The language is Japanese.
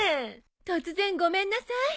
突然ごめんなさい。